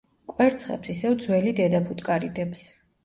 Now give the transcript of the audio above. კვერცხებს ისევ ძველი დედა ფუტკარი დებს.